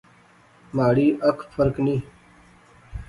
مہاڑی اکھ پھرکنی